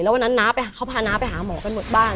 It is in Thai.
วันนั้นน้าเขาพาน้าไปหาหมอกันหมดบ้าน